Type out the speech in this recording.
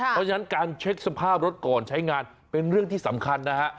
เพราะฉะนั้นการเช็คสภาพรถก่อนใช้งานเป็นเรื่องที่สำคัญนะฮะ